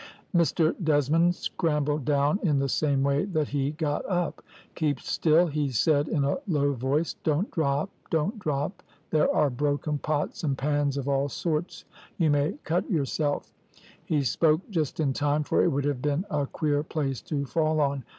Mr Desmond scrambled down in the same way that he got up. `Keep still,' he said in a low voice, `don't drop? don't drop! there are broken pots and pans of all sorts, you may cut yourself.' He spoke just in time, for it would have been a queer place to fall on.